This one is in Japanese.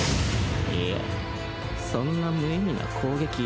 いやそんな無意味な攻撃